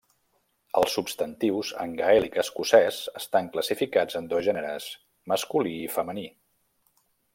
Els substantius, en gaèlic escocès, estan classificats en dos gèneres: masculí i femení.